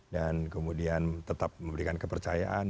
dan kemudian tetap memberikan kepercayaan